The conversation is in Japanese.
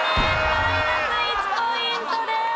マイナス１ポイントです。